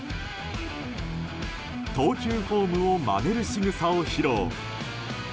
投球フォームをまねるしぐさを披露。